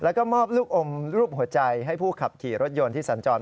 แล้วก็มอบลูกอมรูปหัวใจให้ผู้ขับขี่รถยนต์ที่สัญจร